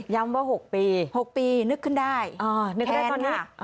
ย้ำว่า๖ปี๖ปีนึกขึ้นได้แค้นค่ะ